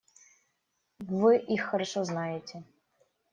Вы их хорошо знаете.